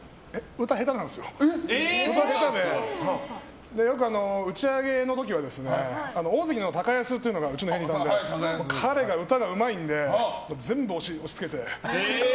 歌が下手でよく打ち上げの時は大関の高安というのがうちの部屋にいたので彼が歌がうまいんで全部押し付けて。